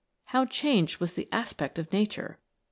How changed was the aspect of nature